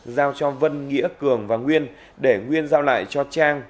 giao cho vân nghĩa cường và nguyên để nguyên giao lại cho trang